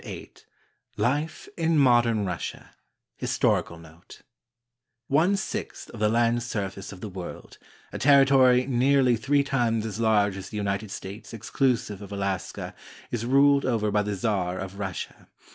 VIII LIFE IN MODERN RUSSIA HISTORICAL NOTE One sixth of the land surface of the world, a territory nearly three times as large as the United States exclusive of Alaska, is ruled over by the Czar of Russia.